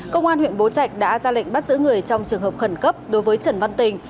công an huyện bố trạch đã ra lệnh bắt giữ người trong trường hợp khẩn cấp đối với trần văn tình